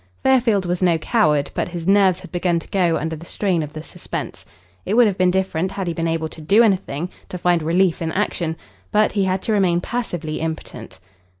Fairfield was no coward, but his nerves had begun to go under the strain of the suspense. It would have been different had he been able to do anything to find relief in action. But he had to remain passively impotent.